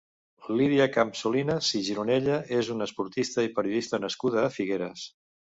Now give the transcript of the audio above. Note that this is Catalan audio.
Lídia Campsolinas i Gironella és una esportista i periodista nascuda a Figueres.